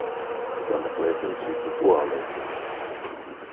Sameklēsim citu tualeti.